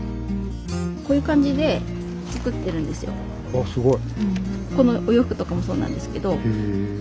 あっすごい。